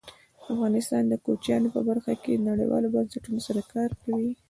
افغانستان د کوچیانو په برخه کې نړیوالو بنسټونو سره کار کوي.